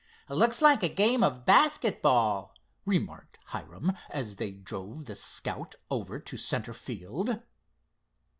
"Looks like a game of basket ball," remarked Hiram as they drove the Scout over to center field.